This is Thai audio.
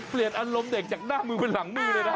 เปลี่ยนอารมณ์เด็กจากหน้ามือหรังมือเลยล่ะ